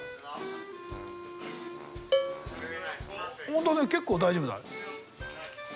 本当だ結構大丈夫だ。